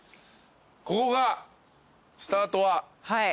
ここがスタートは？